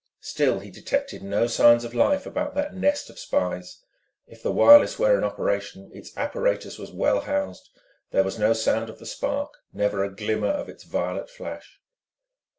Still he detected no signs of life about that nest of spies: if the wireless were in operation its apparatus was well housed; there was no sound of the spark, never a glimmer of its violet flash.